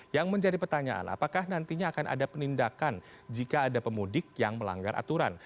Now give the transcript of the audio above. yang menjadi pertanyaan apakah nantinya akan ada penindakan jika ada pemudik yang melanggar aturan